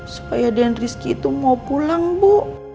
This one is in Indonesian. supaya den rizky itu mau pulang bu